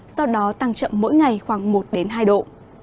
sau đó tăng chậm mỗi ngày khoảng một hai độ